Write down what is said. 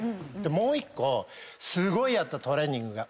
もう１個すごいやったトレーニングが。